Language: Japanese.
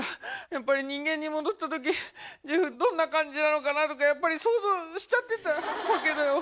やっぱり人間に戻った時ジェフどんな感じなのかなとかやっぱり想像しちゃってたわけだよ。